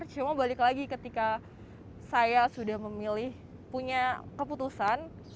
cuma balik lagi ketika saya sudah memilih punya keputusan